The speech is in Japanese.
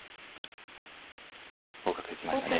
あっ５五角打ちましたね。